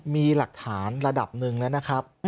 มีหลักฐานระดับหนึ่งแล้วนะครับ